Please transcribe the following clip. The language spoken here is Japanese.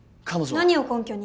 何を根拠に？